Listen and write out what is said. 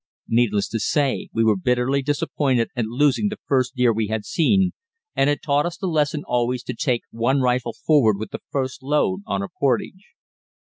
Needless to say, we were bitterly disappointed at losing the first deer we had seen, and it taught us the lesson always to take one rifle forward with the first load on a portage.